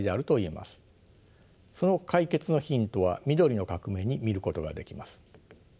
その解決のヒントは緑の革命に見ることができます。